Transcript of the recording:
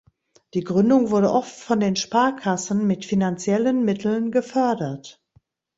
Die Gründung wurde oft von den Sparkassen mit finanziellen Mitteln gefördert.